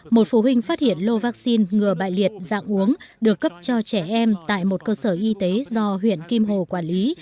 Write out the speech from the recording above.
một phụ huynh phát hiện lô vaccine ngừa bại liệt dạng uống được cấp cho trẻ em tại một cơ sở y tế do huyện kim hồ quản lý